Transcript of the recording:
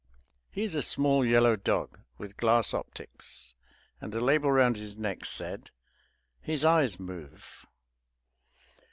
He is a small yellow dog, with glass optics, and the label round his neck said, "His eyes move."